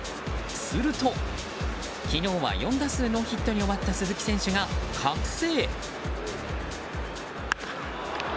すると、昨日は４打数ノーヒットに終わった鈴木選手が覚醒。